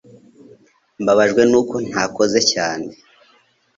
Mbabajwe nuko ntakoze cyane